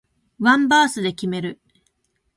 ワンバースで決める